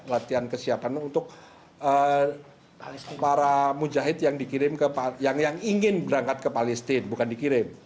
latihan kesiapan untuk para mujahid yang ingin berangkat ke palestine bukan dikirim